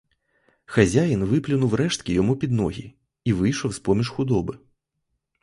Хазяїн вихлюпнув рештки йому під ноги і вийшов з-поміж худоби.